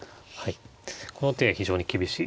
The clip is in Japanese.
この手が非常に厳しいです。